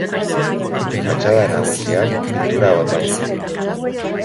Fatxada nagusian, pintura bota dute.